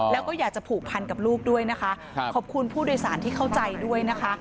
แล้วก็อยากจะผูกพันกับลูกด้วยนะคะขอบคุณผู้โดยสารที่เข้าใจด้วยนะคะ